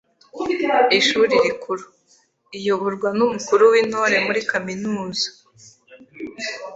ishuri rikuru. Iyoborwa n’umukuru w’Intore muri kaminuza,